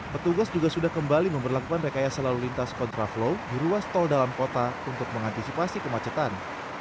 petugas juga sudah kembali memperlakukan rekayasa lalu lintas kontraflow di ruas tol dalam kota untuk mengantisipasi kemacetan